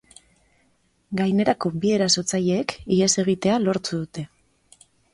Gainerako bi erasotzaileek ihes egitea lortu dute.